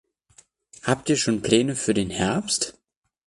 Habt ihr schon Pläne für den Herbst?